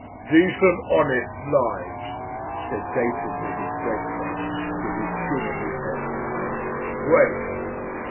"Decent honest lives!" said Dayton to his bread crumbs, with his chin in his necktie. "WASTE!"